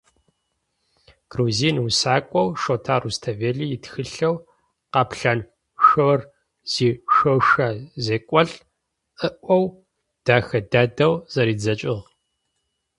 Грузин усакӏоу Шота Руставели итхылъэу «Къэплъанышъор зишъошэ зекӏолӏ» ыӏоу дэхэ дэдэу зэридзэкӏыгъ.